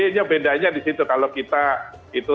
jadi ini bedanya di situ kalau kita itu